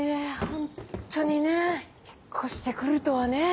本当にね引っ越してくるとはね。